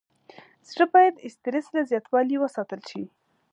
زړه باید د استرس له زیاتوالي وساتل شي.